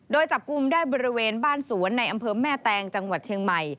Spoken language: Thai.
โดยจับกลุ่มได้บริเวณบ้านสวนในอำเภอแม่แตงจังหวัดเชียงใหม่